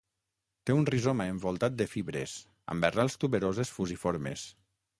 Té un rizoma envoltat de fibres, amb arrels tuberoses fusiformes.